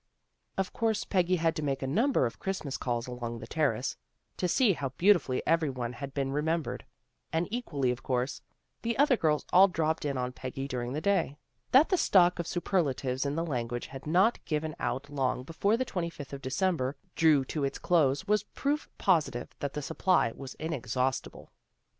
Of course Peggy had to make a number of Christmas calls along the Terrace, to see how beautifully everyone had been remembered. And equally of course, the other girls all dropped CHRISTMAS CELEBRATIONS 217 in on Peggy during the day. That the stock of superlatives in the language had not given out long before the twenty fifth of December drew to its close was proof positive that the supply was inexhaustible.